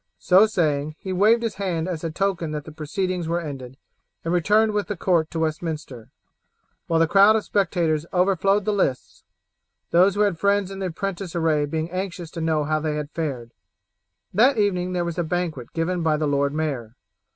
So saying, he waved his hand as a token that the proceedings were ended, and returned with the court to Westminster; while the crowd of spectators overflowed the lists, those who had friends in the apprentice array being anxious to know how they had fared. That evening there was a banquet given by the lord mayor.